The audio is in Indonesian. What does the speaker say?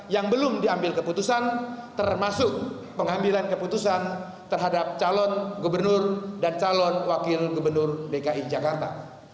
yang belum diambil keputusan termasuk pengambilan keputusan terhadap calon gubernur dan calon wakil gubernur dki jakarta